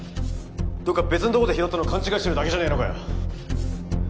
どっか別んとこで拾ったのを勘違いしてるだけじゃねぇのかよ。